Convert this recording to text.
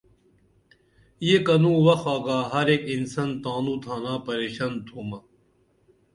یہ کنو وخ آگا ہر ایک انسن تانوں تھانہ پریشن تُھمہ